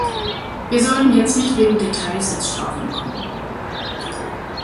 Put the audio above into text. Wir sollten jetzt nicht wegen Details ins Straucheln kommen.